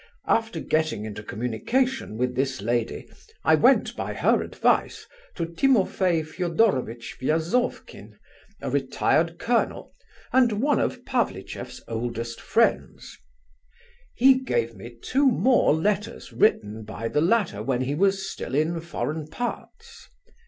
After getting into communication with this lady, I went by her advice to Timofei Fedorovitch Viazovkin, a retired colonel, and one of Pavlicheff's oldest friends. He gave me two more letters written by the latter when he was still in foreign parts.